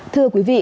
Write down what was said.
thưa quý vị